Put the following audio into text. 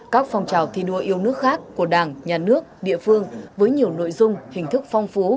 các phong trào thi đua yêu nước khác của đảng nhà nước địa phương với nhiều nội dung hình thức phong phú